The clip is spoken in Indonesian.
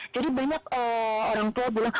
jadi banyak orang tua bilang